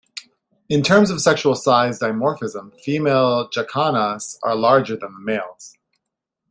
In terms of sexual size dimorphism, female jacanas are larger than the males.